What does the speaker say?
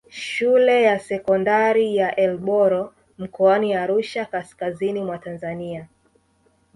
Shule ya sekondari ya Elboro mkoani Arusha kaskazini mwa Tanzania